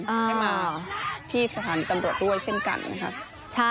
ให้มาที่สถานีตำรวจด้วยเช่นกันนะครับ